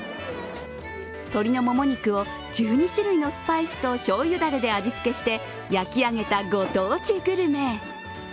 鶏のもも肉を１２種類のスパイスとしょうゆだれで味付けして焼き上げたご当地グルメ。